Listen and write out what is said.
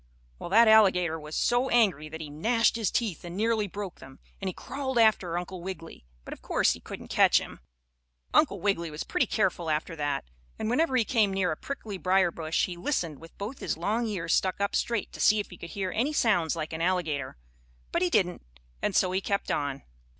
Well, that alligator was so angry that he gnashed his teeth and nearly broke them, and he crawled after Uncle Wiggily, but of course, he couldn't catch him. Uncle Wiggily was pretty careful after that, and whenever he came near a prickly briar bush he listened with both his long ears stuck up straight to see if he could hear any sounds like an alligator. But he didn't, and so he kept on.